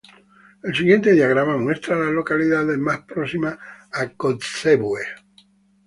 El siguiente diagrama muestra a las localidades más próximas a Kotzebue.